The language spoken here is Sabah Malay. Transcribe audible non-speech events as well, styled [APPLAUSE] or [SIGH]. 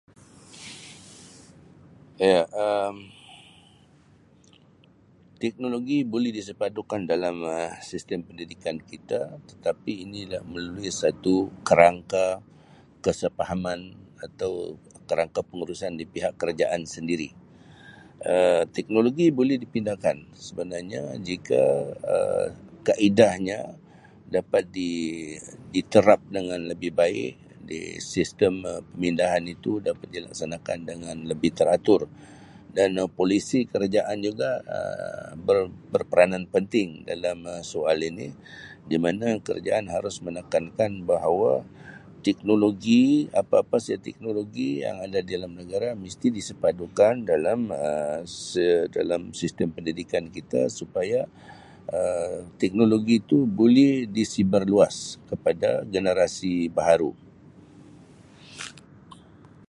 Iya Um teknologi boleh disepadukan dalam Um sistem pendidikan kita tetapi inilah melalui satu kerangka kesefahaman atau kerangka pengurusan dipihak kerajaan sendiri Um teknologi boleh dipindahkan sebenarnya jika Um kaedahnya dapat di-diterap dengan lebih baik di sistem Um pemindahan itu dapat dilaksanakan dengan lebih teratur dan polisi kerajaan juga Um ber-berperanan penting dalam Um soal ini di mana kerajaan harus menekankan bahawa teknologi apa-apa saja teknologi yang ada di dalam negara mesti disepadukan dalam [UNINTELLIGIBLE] dalam sistem pendidikan kita supaya Um teknologi itu boleh disebar luas kepada generasi baharu.